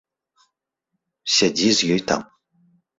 Сядзі з ёй там.